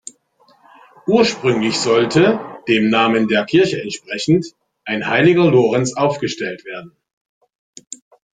Ursprünglich sollte dem Namen der Kirche entsprechend ein heiliger Lorenz aufgestellt werden.